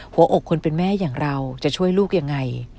หัวอกคนเป็นแม่อย่างเราจะช่วยลูกยังไง